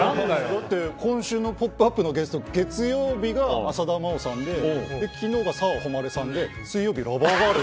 だって今週の「ポップＵＰ！」のゲスト月曜日が浅田真央さんで昨日が澤穂希さんで水曜日、ラバーガール。